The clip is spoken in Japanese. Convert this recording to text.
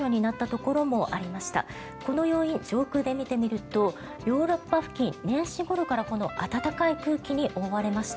この要因、上空で見てみるとヨーロッパ付近、年始ごろからこの暖かい空気に覆われました。